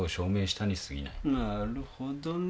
なるほどね。